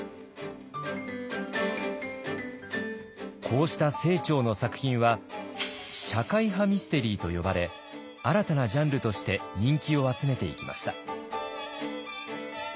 こうした清張の作品は社会派ミステリーと呼ばれ新たなジャンルとして人気を集めていきました。